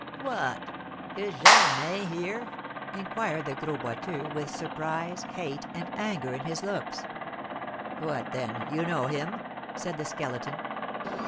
"What! Is Germain here?" inquired the Gros Boiteux, with surprise, hate, and anger in his looks. "What, then, you know him?" said the Skeleton.